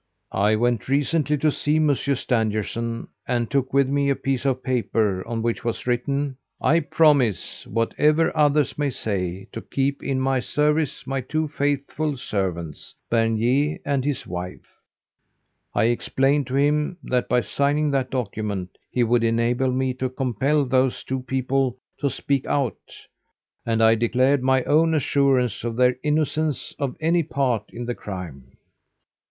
"I went recently to see Monsieur Stangerson, and took with me a piece of paper on which was written: 'I promise, whatever others may say, to keep in my service my two faithful servants, Bernier and his wife.' I explained to him that, by signing that document, he would enable me to compel those two people to speak out; and I declared my own assurance of their innocence of any part in the crime.